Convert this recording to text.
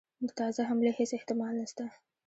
د تازه حملې هیڅ احتمال نسته.